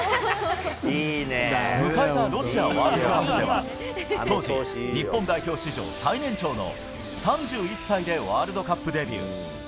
迎えたロシアワールドカップでは、当時、日本代表史上最年長の３１歳でワールドカップデビュー。